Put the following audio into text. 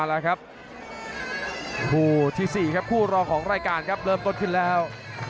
แล้วครับคู่ที่๔ครับคู่รองของรายการครับเริ่มต้นขึ้นแล้ว